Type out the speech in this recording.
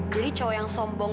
jadi cowok yang sombong